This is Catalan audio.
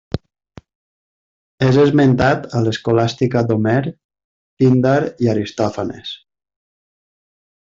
És esmentat a l'Escolàstica d'Homer, Píndar i Aristòfanes.